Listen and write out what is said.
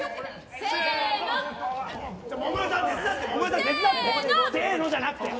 「せーの！」じゃなくて。